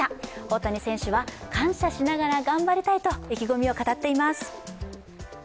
大谷選手は感謝しながら頑張りたいと意気込みを語っています。